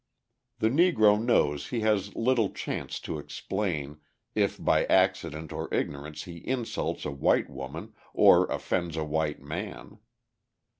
The Negro knows he has little chance to explain, if by accident or ignorance he insults a white woman or offends a white man.